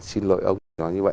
xin lỗi ông nói như vậy